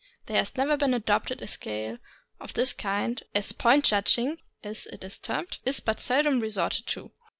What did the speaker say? There has never been adopted a scale of this kind, as "point judging," as it is termed, is but seldom resorted to.